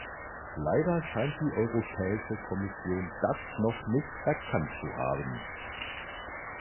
Leider scheint die Europäische Kommission das noch nicht erkannt zu haben.